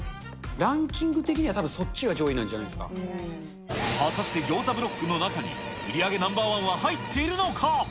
ランキング的にはたぶん、果たしてギョーザブロックの中に、売り上げナンバー１は入っているのか。